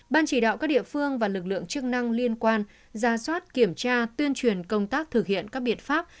ban chỉ đạo các địa phương và lực lượng chức năng liên quan ra soát kiểm tra tuyên truyền công tác thực hiện các biện pháp